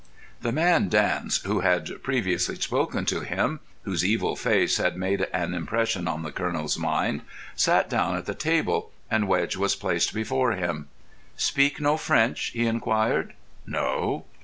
The man Dance, who had previously spoken to him, whose evil face had made an impression on the Colonel's mind, sat down at the table, and Wedge was placed before him. "Speak no French?" he inquired. "No."